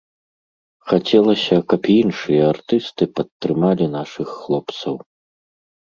Хацелася, каб і іншыя артысты падтрымалі нашых хлопцаў.